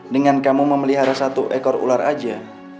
dengan kamu memelihara satu ekor ular aja